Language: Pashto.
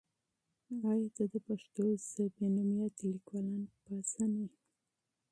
ایا ته د پښتو ژبې معاصر لیکوالان پېژنې؟